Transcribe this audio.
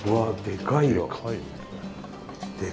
でかいね。